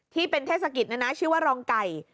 ที่เป็นเทศกิจเนี่ยนะชื่อว่ารองไก่